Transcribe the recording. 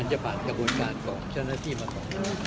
มันจะผ่านกระบวนการของเช่นนาทีมาก่อน